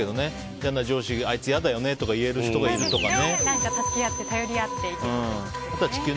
嫌な上司とかあいつ嫌だよね、とか言える人がいるよね。